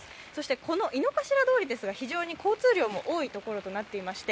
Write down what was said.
この井の頭通りですが非常に交通量も多い所となっています。